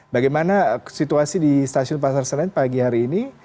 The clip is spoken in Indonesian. bagaimana situasi di stasiun pasar senen pagi hari ini